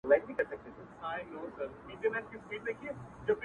لټ پر لټ اوړمه د شپې؛ هغه چي بيا ياديږي؛